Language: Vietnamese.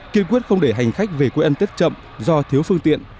kiên quyết không để hành khách về quê ăn tết chậm do thiếu phương tiện